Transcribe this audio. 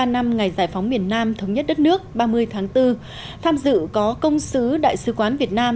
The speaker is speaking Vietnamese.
bốn mươi ba năm ngày giải phóng biển nam thống nhất đất nước ba mươi tháng bốn tham dự có công sứ đại sứ quán việt nam